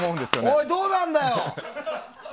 おい、どうなんだよ！